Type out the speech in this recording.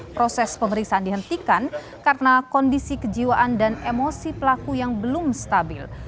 proses pemeriksaan dihentikan karena kondisi kejiwaan dan emosi pelaku yang belum stabil